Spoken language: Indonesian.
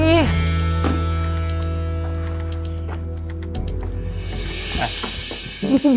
ih aku kelihatan mampus